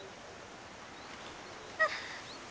あっ！